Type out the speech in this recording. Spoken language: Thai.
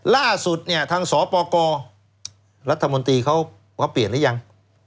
ล่าสุดทางสอปอกรรัฐมนตรีเขาเปลี่ยนหรือยัง